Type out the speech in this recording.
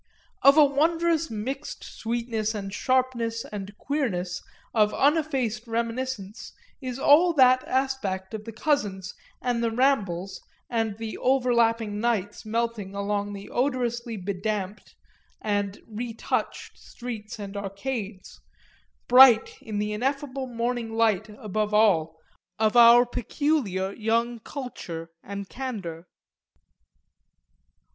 Of a wondrous mixed sweetness and sharpness and queerness of uneffaced reminiscence is all that aspect of the cousins and the rambles and the overlapping nights melting along the odorously bedamped and retouched streets and arcades; bright in the ineffable morning light, above all, of our peculiar young culture and candour!